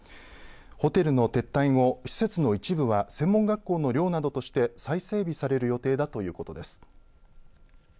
ホテルの撤退後、施設の一部は専門学校の寮などとして再整備される予定だということです。